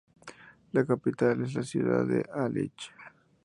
La capital es la ciudad de Hálych.